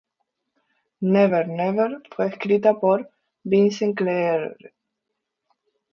Never Never fue escrita por Vince Clarke.